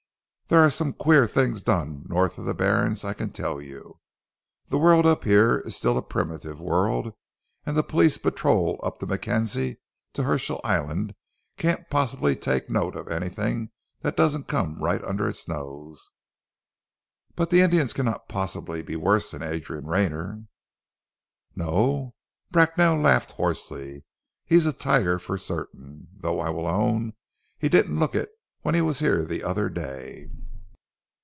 There are some queer things done North of the Barrens, I can tell you. The world up here is still a primitive world, and the police patrol up the Mackenzie to Herschell Island can't possibly take note of anything that doesn't come right under its nose." "But the Indians cannot possibly be worse than Adrian Rayner!" "No!" Bracknell laughed hoarsely. "He's a tiger, for certain. Though I will own he didn't look it when he was here the other day."